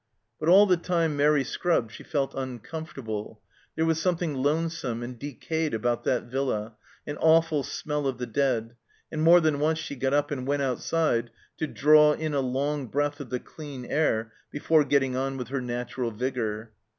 But all the time Mairi scrubbed she felt uncomfortable ; there was something lonesome and decayed about that villa, an awful smell of the dead, and more than once she got up and went outside to draw in a long breath of the clean air before getting on with her natural vigour.